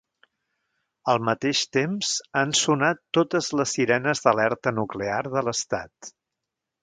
Al mateix temps han sonat totes les sirenes d’alerta nuclear de l’estat.